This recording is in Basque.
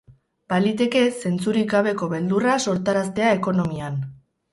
Baliteke zentzurik gabeko beldurra sortaraztea ekonomian.